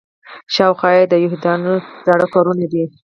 شاوخوا یې د یهودانو زاړه کورونه دي.